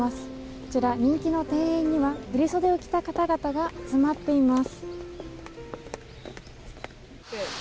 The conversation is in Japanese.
こちら、人気の庭園には振り袖を着た方々が集まっています。